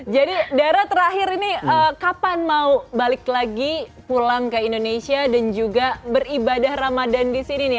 jadi dara terakhir ini kapan mau balik lagi pulang ke indonesia dan juga beribadah ramadan di sini nih